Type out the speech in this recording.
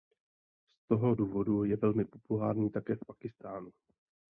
Z toho důvodu je velmi populární také v Pákistánu.